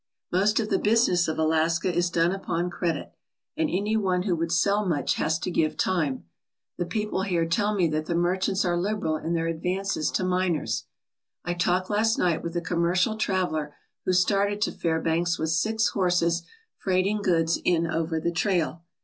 Most of the business of Alaska is done upon credit and any one who would sell much has to give time. The people here tell me that the merchants are liberal in their advances to miners. I talked last night with a commercial traveller who started to Fairbanks with six horses freight ing goods in over the trail.